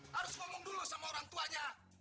harus ngomong dulu sama orang tuanya